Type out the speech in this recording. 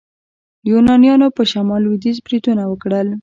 یونانیانو په شمال لویدیځ بریدونه وکړل.